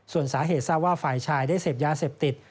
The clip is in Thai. ส่วนสาเหตุทราบว่าฝ่ายชายได้เสพยาเสพติด